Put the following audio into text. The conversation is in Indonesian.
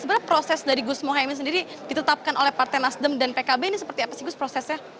sebenarnya proses dari gus mohaimin sendiri ditetapkan oleh partai nasdem dan pkb ini seperti apa sih gus prosesnya